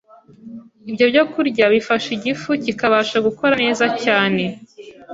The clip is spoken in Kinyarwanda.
ibyo byokurya bifasha igifu kikabasha gukora neza cyane